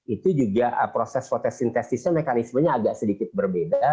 itu juga proses fotosintesisnya mekanismenya agak sedikit berbeda